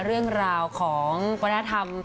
เรื่องราวของวัฒนธรรม